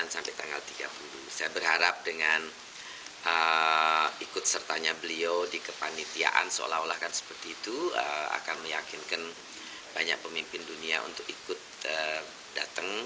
saya berharap dengan ikut sertanya beliau di kepanitiaan seolah olah kan seperti itu akan meyakinkan banyak pemimpin dunia untuk ikut datang